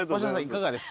いかがです？